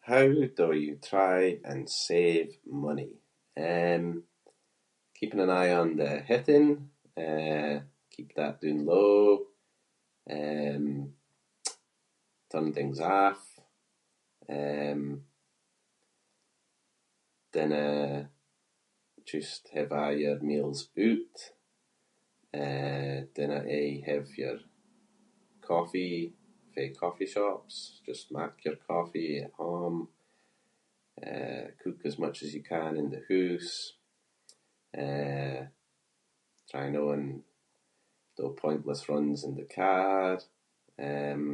How do you try and save money? Um, keeping an eye on the heating- eh, keep that doon low. Um, turn things off, um, dinna just have a’ your meals oot, eh, dinna aie have your coffee fae coffee shops- just mak your coffee at home. Uh, cook as much as you can in the hoose, uh, try no and do pointless runs in the car. Um,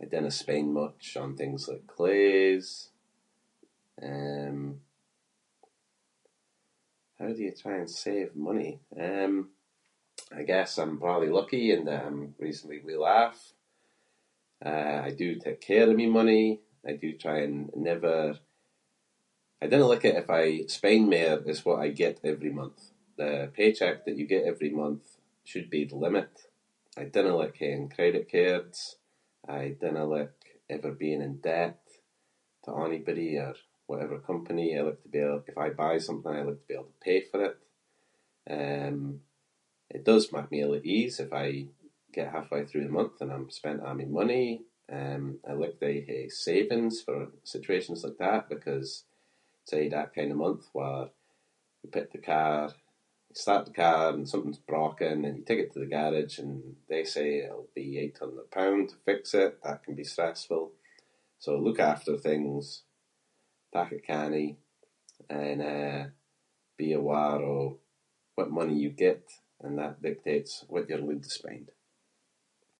I dinna spend much on things like claes. Um, how do you try and save money? Um, I guess I’m probably lucky in that I’m reasonably well-off. Uh, I do take care of my money, I do try and never- I dinna like it if I spend mair as what I get every month. The pay check that you get every month should be the limit. I dinna like haeing credit cards, I dinna like ever being in debt to onybody or whatever company- I like to be- if I buy something I like to be able to pay for it. Um, it does mak me ill at ease if I get halfway through the month and I’m spent a' my money. Um, I like to aie hae savings for situations like that because- say you had that kind of month where you put the car- you start the car and something’s broken and you take it to the garage and they say it’ll be eight hundred pound to fix it. That can be stressful. So, look after things, pack a kannie and, eh, be aware of what money you get and that dictates where you’re allowed to spend.